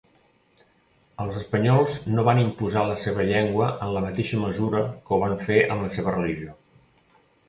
Els espanyols no van imposar la seva llengua en la mateixa mesura que ho van fer amb la seva religió.